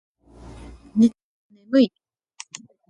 寝ても眠い